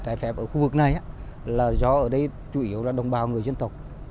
trái phép ở khu vực này là gió ở đây chủ yếu là đồng bào người dân tộc